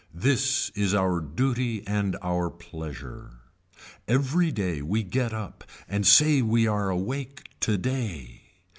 This is our duty and our pleasure. Every day we get up and say we are awake today.